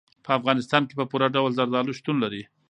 په افغانستان کې په پوره ډول زردالو شتون لري.